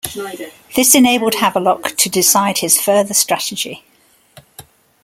This enabled Havelock to decide his further strategy.